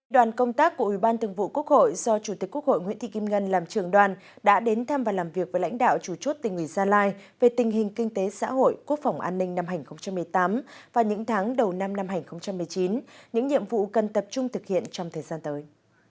đoàn công tác của ủy ban thường vụ quốc hội do chủ tịch quốc hội nguyễn thị kim ngân làm trường đoàn đã đến thăm và làm việc với lãnh đạo chủ chốt tỉnh nguyễn gia lai về tình hình kinh tế xã hội quốc phòng an ninh năm hai nghìn một mươi tám và những tháng đầu năm hai nghìn một mươi chín những nhiệm vụ cần tập trung thực hiện trong thời gian tới